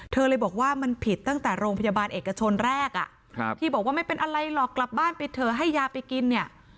เธอเลยบอกว่ามันผิดตั้งแต่โรงพยาบาลเอกชนแรกที่บอกว่าไม่เป็นอะไรหรอกกลับบ้านไปเถอะให้ยาไปกินเนี่ย